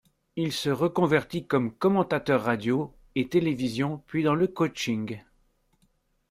Il se reconvertit comme commentateur radio et télévision, puis dans le coaching.